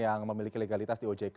yang memiliki legalitas di ojk